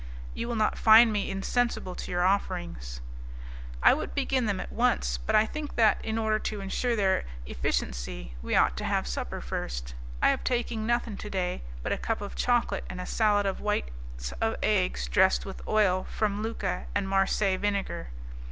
"You will not find me insensible to your offerings." "I would begin them at once, but I think that, in order to insure their efficiency, we ought to have supper first. I have taken nothing to day but a cup of chocolate and a salad of whites of eggs dressed with oil from Lucca and Marseilles vinegar."